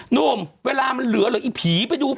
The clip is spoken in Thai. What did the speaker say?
หนุ่มเวลามันเหลือหรืออีผีไปดู